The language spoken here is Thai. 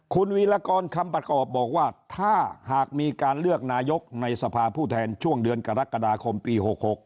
คุณวีรกรคำประกอบบอกว่าถ้าหากมีการเลือกนายกในสภาผู้แทนช่วงเดือนกรกฎาคมปี๖๖